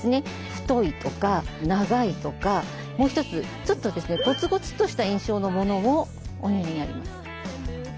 太いとか長いとかもう一つちょっとゴツゴツとした印象のものもお似合いになります。